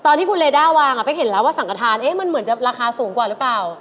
ตอนที่คุณเรด้าวางเป๊กเห็นแล้วว่าสังกระทานมันเหมือนจะราคาสูงกว่าหรือเปล่า